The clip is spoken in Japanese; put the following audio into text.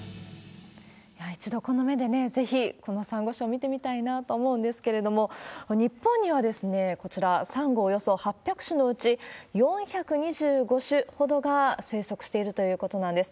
一度この目でね、ぜひこのサンゴ礁を見てみたいなと思うんですけれども、日本には、こちら、サンゴおよそ８００種のうち４２５種ほどが生息しているということなんです。